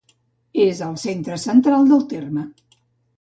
És al sector central del terme.